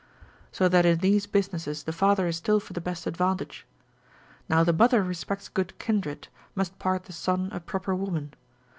So that in these businesses the father is still for the best advantage; now the mother respects good kindred, must part the son a proper woman.